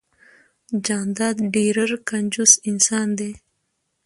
جانداد ډیررر کنجوس انسان ده